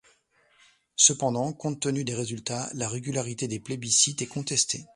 Cependant, compte tenu des résultats, la régularité des plébiscites est contestée.